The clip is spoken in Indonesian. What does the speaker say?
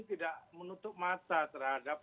tidak menutup mata terhadap